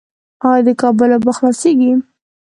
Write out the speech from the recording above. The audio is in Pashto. آیا د کابل اوبه خلاصیږي؟